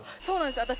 そうなんです。